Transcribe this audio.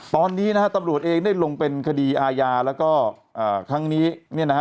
ตอนนี้นะฮะตำรวจเองได้ลงเป็นคดีอาญาแล้วก็ครั้งนี้เนี่ยนะฮะ